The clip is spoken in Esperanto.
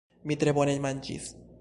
Mi tre bone manĝis.